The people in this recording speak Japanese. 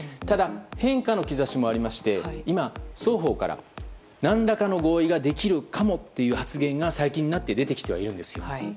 ただ、変化の兆しもありまして今、双方から何らかの合意ができるかもという発言が最近になって出てきてはいるんです。